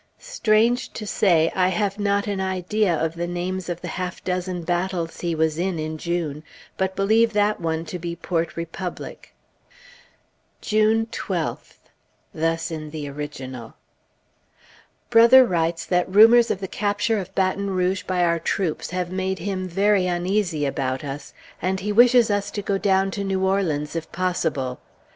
Strange to say, I have not an idea of the names of the half dozen battles he was in, in June, but believe that one to be Port Republic. June 12th. Brother writes that rumors of the capture of Baton Rouge by our troops have made him very uneasy about us; and he wishes us to go down to New Orleans if possible.